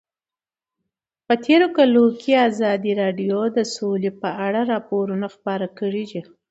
په تېرو کلونو کې ازادي راډیو د سوله په اړه راپورونه خپاره کړي دي.